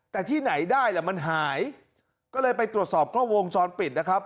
แต่ที่ไหนได้ล่ะมันหายก็เลยไปตรวจสอบกล้องวงจรปิดนะครับ